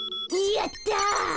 やった。